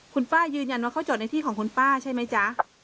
คุณป้ายืนยันว่าเขาจดในที่ของคุณป้าใช่ไหมจ๊ะ